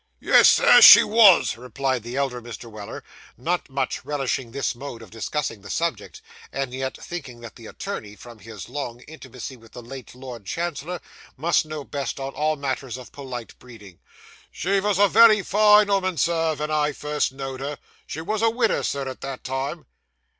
'Yes, sir, she wos,' replied the elder Mr. Weller, not much relishing this mode of discussing the subject, and yet thinking that the attorney, from his long intimacy with the late Lord Chancellor, must know best on all matters of polite breeding. 'She wos a wery fine 'ooman, sir, ven I first know'd her. She wos a widder, sir, at that time.